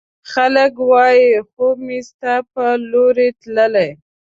خلګ وايي، خوب مې ستا په لورې تللی